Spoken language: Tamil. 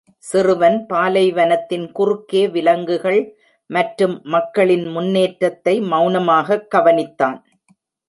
சிறுவன் பாலைவனத்தின் குறுக்கே விலங்குகள் மற்றும் மக்களின் முன்னேற்றத்தை மௌனமாகக் கவனித்தான்.